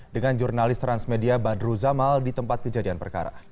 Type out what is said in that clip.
dengan jurnalis transmedia badru zamal di tempat kejadian perkara